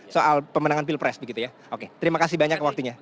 soal pemenangan pilpres begitu ya oke terima kasih banyak waktunya